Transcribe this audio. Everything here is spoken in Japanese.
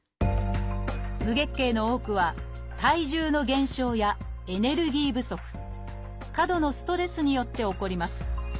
無月経の多くは体重の減少やエネルギー不足過度のストレスによって起こります。